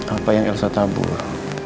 apa yang elsa tabur